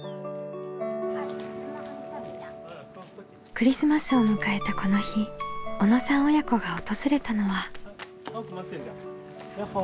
クリスマスを迎えたこの日小野さん親子が訪れたのは。